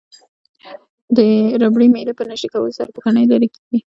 د ربړي میلې په نژدې کولو سره پوکڼۍ لرې کیږي.